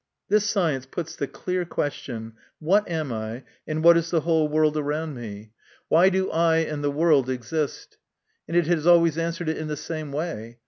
This science puts the clear question, " What am I, and what is the whole world around me ? MY CONFESSION. 49 Why do I and the world exist?" and it has always answered it in the same way.